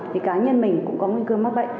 thì cá nhân mình cũng có nguy cơ mắc bệnh